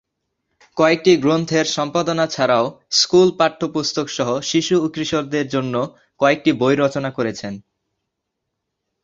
কয়েকটি গ্রন্থে' র সম্পাদনা ছাড়াও স্কুল পাঠ্য পুস্তক সহ শিশু ও কিশোরদের জন্য কয়েকটি বই রচনা করেছেন।